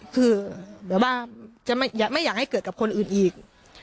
คือแบบว่าจะไม่อยากให้เกิดกับคนอื่นอีก